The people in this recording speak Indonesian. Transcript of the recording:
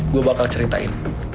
gue bakal ceritain